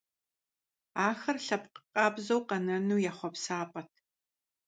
Ахэр лъэпкъ къабзэу къэнэну я хъуэпсапӀэт.